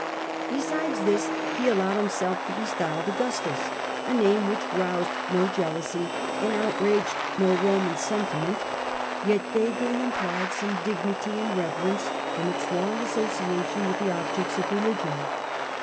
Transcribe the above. Besides this he allowed himself to be styled Augustus, a name which roused no jealousy and outraged no Roman sentiment, yet vaguely implied some dignity and reverence from its long associa lion with the objects of religion.